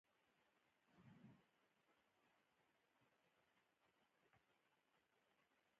تر څو چې یو دننی دېوال جوړ نه شي، زه وجداناً نه شم کولای.